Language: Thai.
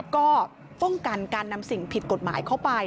ก็ป้องกันการนำสิ่งผิดกฎหมายเข้าไป